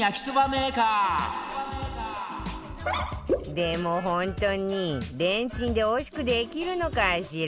でも本当にレンチンでおいしくできるのかしら？